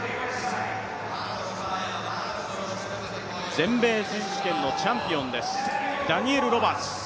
全米選手権のチャンピオンです、ダニエル・ロバーツ。